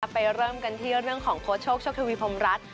ไปเริ่มกันที่เรื่องของโค้ชโชคโชคทวีพรมรัฐ